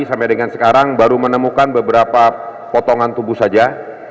sampai dengan sekarang baru menemukan beberapa potongan tubuh saja